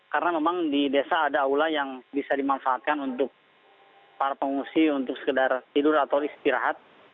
karena memang di desa ada aula yang bisa dimanfaatkan untuk para pengungsi untuk sekedar tidur atau istirahat